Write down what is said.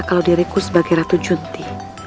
kalau diriku sebagai ratu cunti